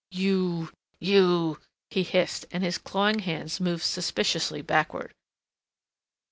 "You you " he hissed, and his clawing hands moved suspiciously backward.